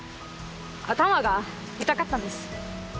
頭が痛かったんです。